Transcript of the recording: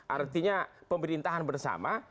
artinya pemerintahan bersama